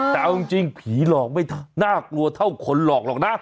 แต่เอาจริงผีหลอกไม่น่ากลัวเท่าคนหลอกหรอกนะ